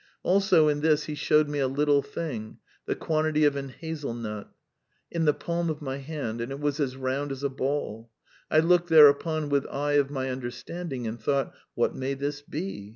*^ Also in this He shewed me a little thing, the quantity of an hazel nut, in the palm of my hand; and it was as round as a ball. I looked thereupon with eye of my understanding, and thought: What may this be?